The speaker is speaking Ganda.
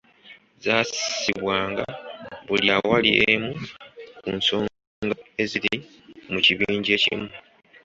Zassibwanga buli awali emu ku nsonga eziri mu kibinja ekimu.